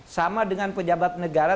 sama dengan pejabat negara